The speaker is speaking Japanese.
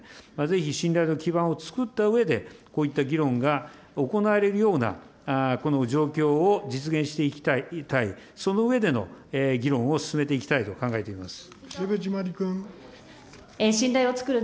ぜひ信頼の基盤をつくったうえで、こういった議論が行われるような状況を実現していきたい、その上での議論を進めていきたいと考えています。